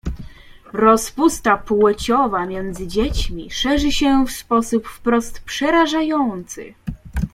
"Rozpusta płciowa między dziećmi szerzy się w sposób wprost przerażający."